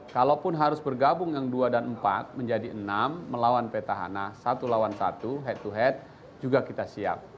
kalaupun harus bergabung yang dua dan empat menjadi enam melawan petahana satu lawan satu head to head juga kita siap